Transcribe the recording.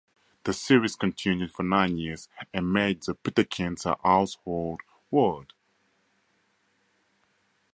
The series continued for nine years, and made the Peterkins a household word.